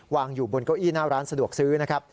อยู่บนเก้าอี้หน้าร้านสะดวกซื้อนะครับ